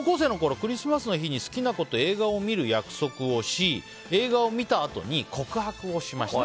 クリスマスの日に好きな子と映画を見る約束をし映画を見たあとに告白をしました。